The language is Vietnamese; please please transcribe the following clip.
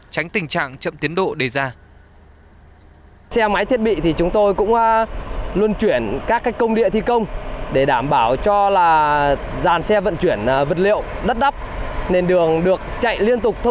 tránh tình trạng chậm tiến độ đề ra